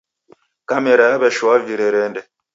Kamera yaw'eshoa virerende.